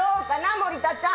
森田ちゃん。